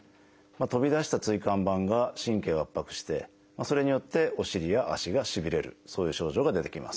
飛び出した椎間板が神経を圧迫してそれによってお尻や足がしびれるそういう症状が出てきます。